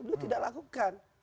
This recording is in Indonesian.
beliau tidak lakukan